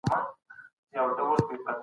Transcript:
تاسو تل ښه اخلاق خپل کړي وو.